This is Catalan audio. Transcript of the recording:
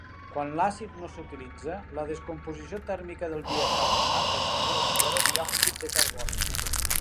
Quan l'àcid no s'utilitza, la descomposició tèrmica del bicarbonat de sodi allibera diòxid de carboni.